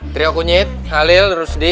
trio kunyit halil rusdi